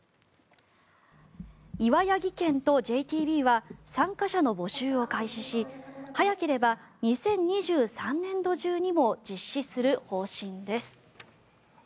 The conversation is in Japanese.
岩谷技研とＪＴＢは参加者の募集を開始し早ければ２０２３年度中にも実施する方針です。